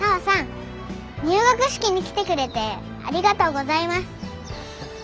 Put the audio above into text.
入学式に来てくれてありがとうございます。